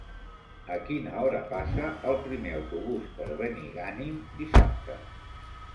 A quina hora passa el primer autobús per Benigànim dissabte?